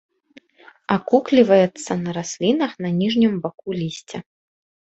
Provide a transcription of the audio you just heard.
Акукліваецца на раслінах на ніжнім баку лісця.